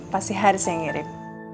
pasti harus yang ngirim